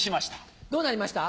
どうなりました？